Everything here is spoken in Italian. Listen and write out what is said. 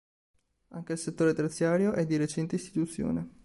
Anche il settore terziario è di recente istituzione.